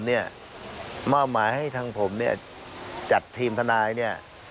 หม้อหมายให้ทางผมจัดทีมทนาย